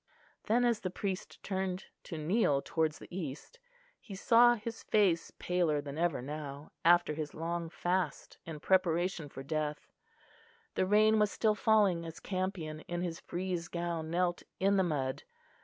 Then, as the priest turned to kneel towards the east, he saw his face paler than ever now, after his long fast in preparation for death. The rain was still falling as Campion in his frieze gown knelt in the mud.